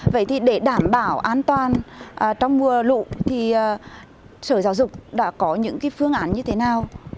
vậy thì để đảm bảo an toàn trong mùa lũ thì sở giáo dục đã có những phương án như thế nào